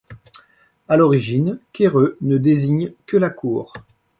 À l'origine, quéreux ne désigne que la cour.